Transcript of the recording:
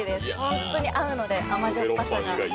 ホントに合うので甘じょっぱさが